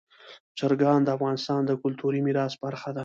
چرګان د افغانستان د کلتوري میراث برخه ده.